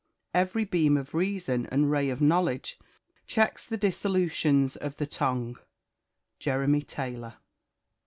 Every beam of reason, and ray of knowledge, checks the dissolutions of the tongue." JEREMY TAYLOR.